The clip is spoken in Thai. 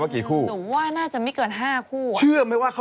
พี่หนุ่มชอบมากนะ